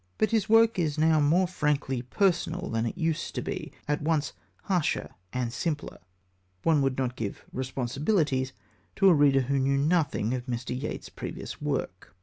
But his work is now more frankly personal than it used to be at once harsher and simpler. One would not give Responsibilities to a reader who knew nothing of Mr. Yeats's previous work.